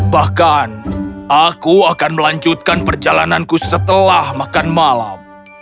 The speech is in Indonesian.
bahkan aku akan melanjutkan perjalananku setelah makan malam